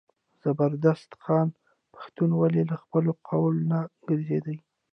زبردست خان پښتون و له خپله قوله نه ګرځېدی.